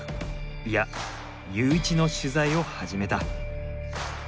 いやユーイチの取材を始めた。